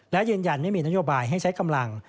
และยืนยันไม่มีนโยบายให้ใช้กำลัง